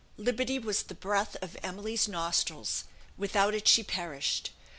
Liberty was the breath of Emily's nostrils; without it she perished.